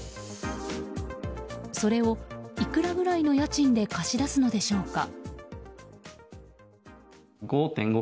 それをいくらぐらいの家賃で貸し出すのでしょうか。